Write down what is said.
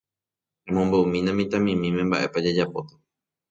Emombe'umína mitãmimíme mba'épa jajapóta.